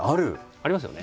ありますよね。